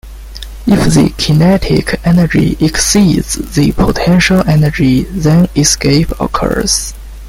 If the kinetic energy exceeds the potential energy then escape occurs.